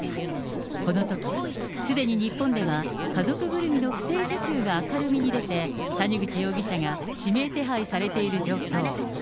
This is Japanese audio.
このとき、すでに日本では家族ぐるみの不正受給が明るみに出て、谷口容疑者が指名手配されている状況。